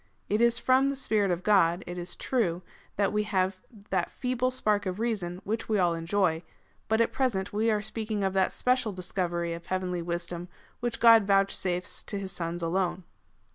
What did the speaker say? It is from the Spirit of God, it is true, that we have that feeble spark of reason which we all enjoy ; but at present we are speaking of that special discovery of heavenly wisdom which God vouchsafes to his sons alone.